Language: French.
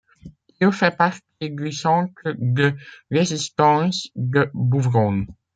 Il fait partie du centre de résistance de Bouvron.